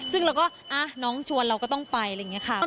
ซึ่งเราก็น้องชวนเราก็ต้องไปอะไรอย่างนี้ค่ะ